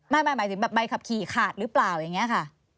หมายถึงแบบใบขับขี่ขาดหรือเปล่าอย่างนี้ค่ะ